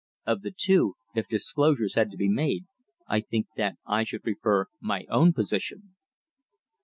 Of the two, if disclosures had to be made, I think that I should prefer my own position."